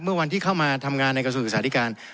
เมื่อวันที่เข้ามาทำงานในกระทรวงศึกษาธิการ